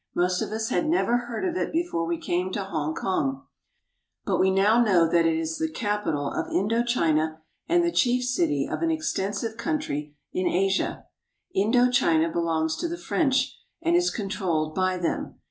Most of us had never heard of it before we came to Hongkong, but we now know that it is the capital of Indo China and the chief city of an ex tensive country in Asia. Indo China belongs to the French and is controlled by them.